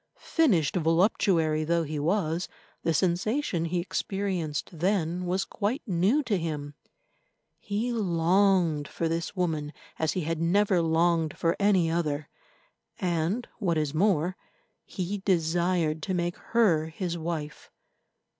Finished voluptuary though he was, the sensation he experienced then was quite new to him. He longed for this woman as he had never longed for any other, and, what is more, he desired to make her his wife.